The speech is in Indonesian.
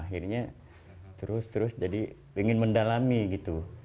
akhirnya terus terus jadi ingin mendalami gitu